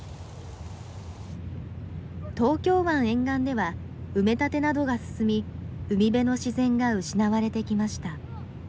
東京湾沿岸では埋め立てなどが進み海辺の自然が失われてきました。